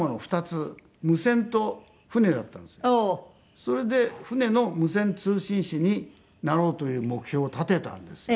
それで船の無線通信士になろうという目標を立てたんですよ。